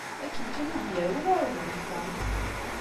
Akken kan i d-yerwel, ɛawden ṭṭfen-t.